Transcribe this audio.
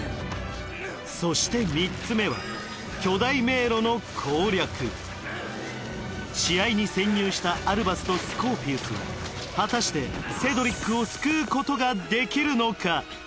そして３つ目は巨大迷路の攻略試合に潜入したアルバスとスコーピウスは果たしてセドリックを救うことができるのか？